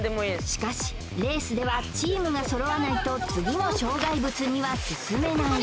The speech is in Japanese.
しかしレースではチームがそろわないと次の障害物には進めない